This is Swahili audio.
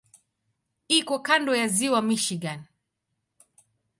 Iko kando ya Ziwa Michigan.